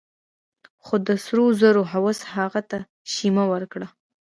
خو د سرو زرو هوس هغه ته شيمه ورکړه.